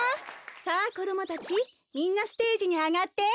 さあこどもたちみんなステージにあがって。